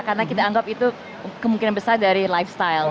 karena kita anggap itu kemungkinan besar dari lifestyle